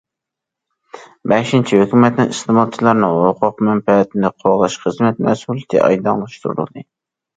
بەشىنچى، ھۆكۈمەتنىڭ ئىستېمالچىلارنىڭ ھوقۇق- مەنپەئەتىنى قوغداش خىزمەت مەسئۇلىيىتى ئايدىڭلاشتۇرۇلدى.